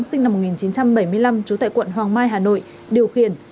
sinh năm một nghìn chín trăm bảy mươi năm trú tại quận hoàng mai hà nội điều khiển